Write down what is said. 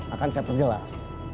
akan saya perjelas